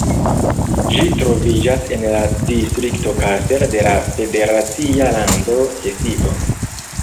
Ĝi troviĝas en la distrikto Kassel de la federacia lando Hesio.